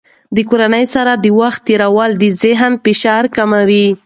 د کورنۍ سره د وخت تېرول د ذهني فشار کموي.